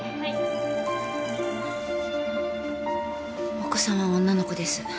お子さんは女の子です。